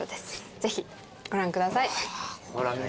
ぜひご覧ください。